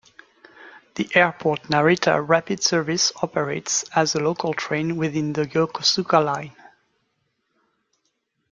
The Airport Narita rapid service operates as a local train within the Yokosuka Line.